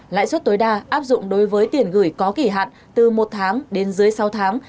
lãi suất tối đa áp dụng đối với tiền gửi có kỳ hạn từ một tháng đến dưới sáu tháng